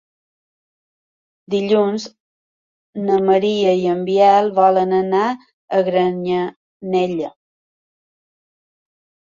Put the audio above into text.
Dilluns en Maria i en Biel volen anar a Granyanella.